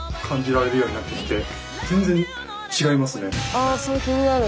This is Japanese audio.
あっそれ気になる。